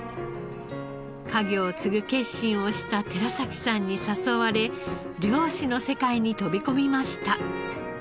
家業を継ぐ決心をした寺崎さんに誘われ漁師の世界に飛び込みました。